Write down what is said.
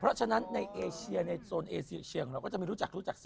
เพราะฉะนั้นในเอเชียในโซนเอเชียงเราก็จะไม่รู้จักรู้จักสิ